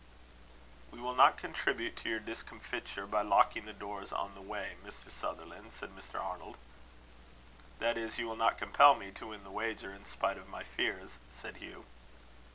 "We will not contribute to your discomfiture by locking the doors on the way, Mr. Sutherland," said Mr. Arnold. "That is, you will not compel me to win the wager in spite of my fears," said Hugh.